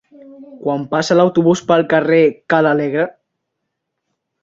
Quan passa l'autobús pel carrer Ca l'Alegre?